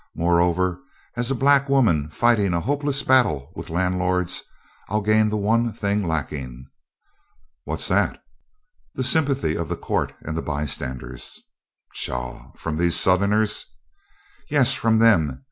Moreover, as a black woman fighting a hopeless battle with landlords, I'll gain the one thing lacking." "What's that?" "The sympathy of the court and the bystanders." "Pshaw! From these Southerners?" "Yes, from them.